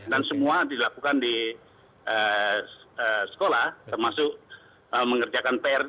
dan semua dilakukan di sekolah termasuk mengerjakan pr